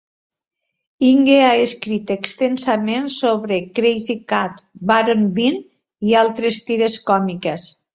Inge ha escrit extensament sobre "Krazy Kat", "Baron Bean" i altres tires còmiques.